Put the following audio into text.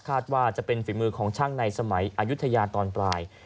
ว่าจะเป็นฝีมือของช่างในสมัยอายุทยาตอนปลาย